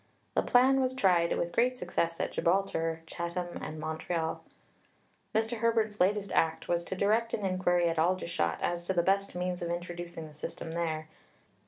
The plan was tried with great success at Gibraltar, Chatham, and Montreal. Mr. Herbert's latest act was to direct an inquiry at Aldershot as to the best means of introducing the system there."